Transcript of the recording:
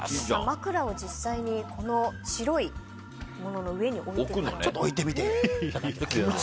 枕を実際にこの白いものの上に置いてみてください。